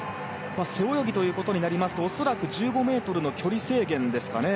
背泳ぎということになりますと恐らく１５ｍの距離制限ですかね。